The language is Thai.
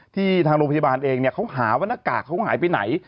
ทางโรงพยาบาลเองเขาหาว่าหน้ากากเขาหายไปไหน